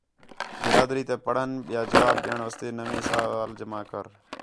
برادری تے پڑھݨ ٻِیا جواب ݙیݨ واسطے نویں سوال جمع کر